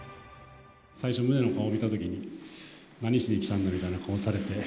最初、ムネの顔見たときに、何しに来たんだみたいな顔をされて。